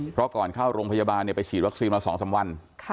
เพราะก่อนเข้าโรงพยาบาลไปฉีดวัคซีนมา๒๓วัน